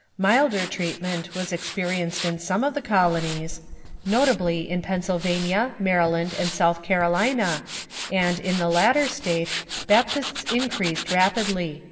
Milder treatment was experienced in some of the colonies, notably in Pennsylvania, Maryland, and South Carolina, and in the latter state Baptists increased rapidly."